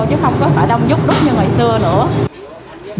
chứ không có phải đông đúc như ngày xưa nữa